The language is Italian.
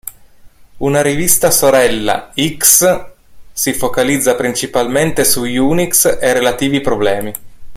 Una rivista sorella, "iX", si focalizza principalmente su Unix e relativi problemi.